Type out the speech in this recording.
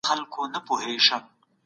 د مېوو خوړل د بدن د فاعي نظام دی.